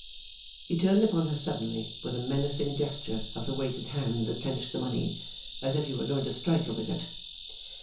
He turned upon her suddenly with a menacing gesture of the weighted hand that clenched the money, as if he were going to strike her with it.